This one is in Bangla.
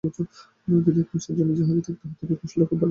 যদি এক মাসের জন্য জাহাজে থাকতে হয় তবে কৌশলটা খুব কাজের।